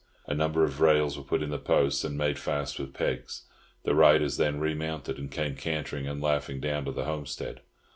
A number of rails were put in the posts, and made fast with pegs. The riders then remounted, and came cantering and laughing down to the homestead.